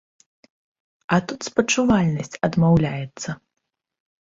А тут спачувальнасць адмаўляецца.